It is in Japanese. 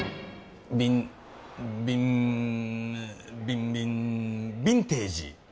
びんびんびんびんビンテージ。